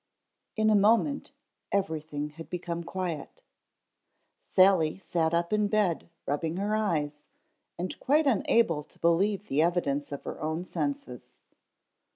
_ IN A moment everything had become quiet. Sally sat up in bed rubbing her eyes and quite unable to believe the evidence of her own senses.